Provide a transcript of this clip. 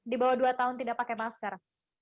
di bawah dua tahun tidak pakai masker